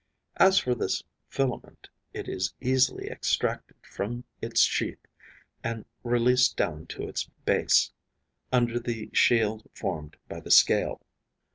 As for this filament, it is easily extracted from its sheath and released down to its base, under the shield formed by the scale.